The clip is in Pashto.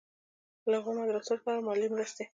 له هغو مدرسو سره مالي مرستې.